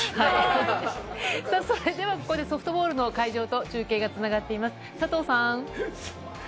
それでは、ここでソフトボールの会場と中継がつながっています。